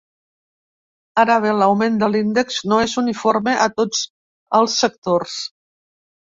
Ara bé, l’augment de l’índex no és uniforme a tots els sectors.